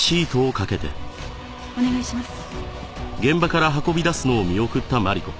お願いします。